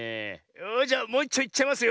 よしじゃもういっちょいっちゃいますよ！